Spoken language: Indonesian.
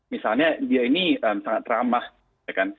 misalnya dia ini sangat ramah ya kan